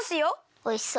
おいしそう。